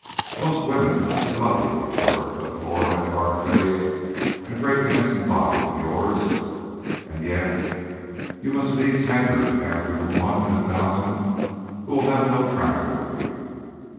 Most women would love you were it but for that dark face and great handsome body of yours and yet you must needs hanker after the one in a thousand who will have no traffic with you."